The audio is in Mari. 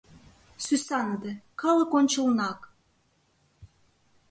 Сӱсаныде, калык ончылнак.